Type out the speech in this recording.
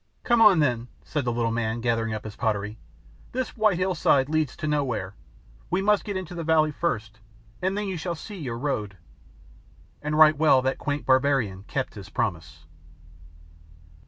"Come on then," said the little man, gathering up his property. "This white hillside leads to nowhere; we must get into the valley first, and then you shall see your road." And right well that quaint barbarian kept his promise.